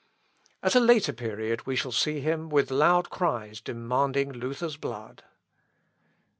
At a later period, we shall see him with loud cries demanding Luther's blood.